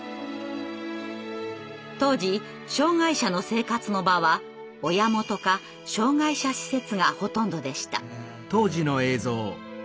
当時障害者の生活の場は「親元」か「障害者施設」がほとんどでした。